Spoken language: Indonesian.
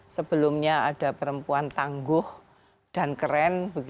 sebelumnya ada perempuan tangguh dan keren